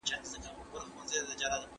فردوسي تر هومر ډېر جزيات لري.